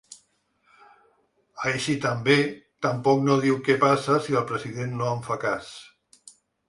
Així també, tampoc no diu què passa si el president no en fa cas.